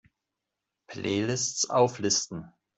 Playlists auflisten!